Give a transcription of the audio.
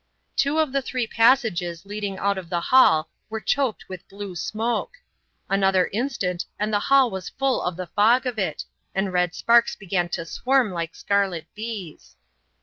Two of the three passages leading out of the hall were choked with blue smoke. Another instant and the hall was full of the fog of it, and red sparks began to swarm like scarlet bees.